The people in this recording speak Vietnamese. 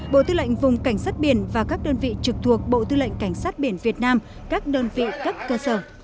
bộ tư lệnh vùng cảnh sát biển và các đơn vị trực thuộc bộ tư lệnh cảnh sát biển việt nam các đơn vị các cơ sở